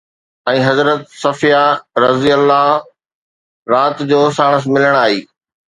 ۽ حضرت صفيه رضه رات جو ساڻس ملڻ آئي